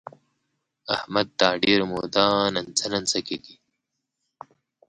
احمد دا ډېره موده ننڅه ننڅه کېږي.